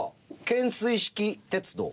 懸垂式鉄道？